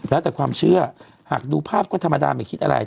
แล้วแต่ความเชื่อหากดูภาพก็ธรรมดาไม่คิดอะไร